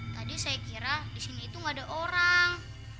tadi saya kira disini itu gak ada orang